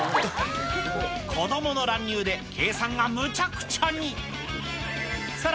子どもの乱入で計算がむちゃくちゃに。